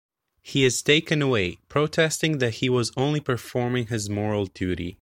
He is taken away, protesting that he was only performing his moral duty.